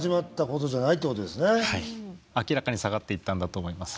明らかに下がっていったんだと思います。